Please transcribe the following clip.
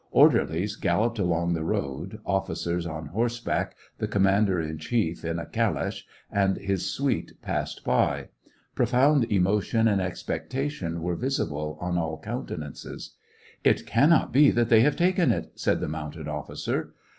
Orderlies galloped along the road, officers on horseback, the commander in chief in a calash, and his suite passed by. Profound emotion and expectation were visible on all countenances. 246 SEVASTOPOL IN AUGUST. " It cannot be that they have taken it !" said the mounted officer.